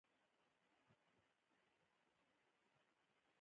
که د اوبو او چونې کلک محلول د ګلمالې په واسطه ومږل شي.